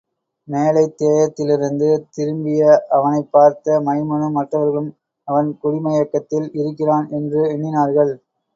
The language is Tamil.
மேலைத் தேயத்திலிருந்து திரும்பிய அவனைப் பார்த்த மைமனும் மற்றவர்களும், அவன் குடிமயக்கத்தில் இருக்கிறான் என்று எண்ணினார்கள்.